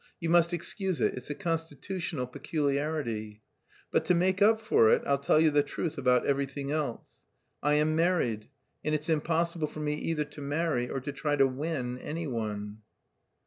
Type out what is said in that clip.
You must excuse it, it's a constitutional peculiarity. But to make up for it, I'll tell you the truth about everything else; I am married, and it's impossible for me either to marry or to try 'to win' anyone."